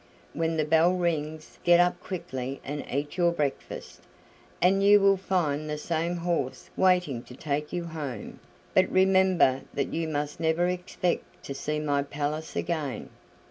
When the bell rings get up quickly and eat your breakfast, and you will find the same horse waiting to take you home; but remember that you must never expect to see my palace again."